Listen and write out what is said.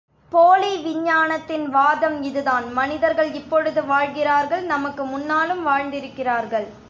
போலி விஞ்ஞானத்தின் வாதம் இதுதான் மனிதர்கள் இப்பொழுது வாழ்கிறார்கள் நமக்கு முன்னாலும் வாழ்ந்திருக்கிறார்கள்.